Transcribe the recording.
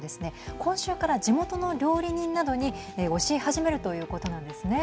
今週から地元の料理人などに教え始めるということなんですね。